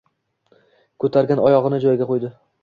Ko‘targan oyog‘ini joyiga qo‘ydi.